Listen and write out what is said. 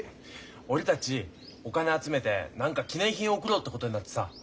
俺たちお金集めて何か記念品贈ろうってことになってさ。